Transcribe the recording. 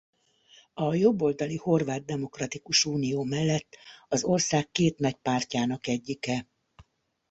A jobboldali Horvát Demokratikus Unió mellett az ország két nagy pártjának egyike.